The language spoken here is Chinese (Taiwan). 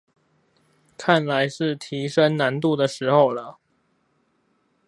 看來是提升難度的時候了